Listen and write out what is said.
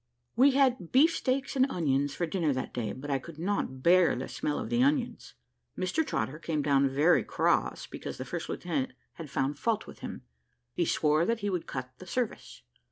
We had beef steaks and onions for dinner that day, but I could not bear the smell of the onions. Mr Trotter came down very cross, because the first lieutenant had found fault with him. He swore that he would cut the service.